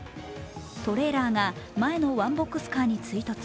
トレーラーが前のワンボックスカーに追突。